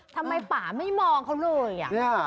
ทำไมป่าไม่มองเขาเลย